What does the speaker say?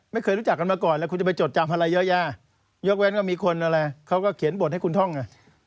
ไม่เคยรู้จักกันมาก่อนแล้วคุณจะไปจดจำอะไรเยอะแยะยกเว้นว่ามีคนอะไรเขาก็เขียนบทให้คุณท่องอ่ะ